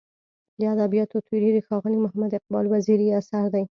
د ادبیاتو تیوري د ښاغلي محمد اقبال وزیري اثر دی.